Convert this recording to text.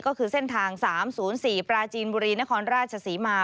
ก็คือเส้นทาง๓๐๔ปราจีนบุรีนครราชศรีมา